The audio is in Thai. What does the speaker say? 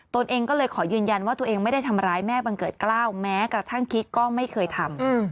ตัวเองก็เลยขอยืนยันว่าตัวเองไม่ได้ทำร้ายแม่บังเกิดกล้าวแม้กระทั่งกิ๊กก็ไม่เคยทำ